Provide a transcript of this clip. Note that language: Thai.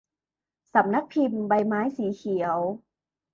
สำนักพิมพ์ใบไม้สีเขียว